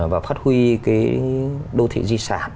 và phát huy cái đô thị di sản